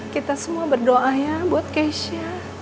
kita semua berdoa ya buat keisha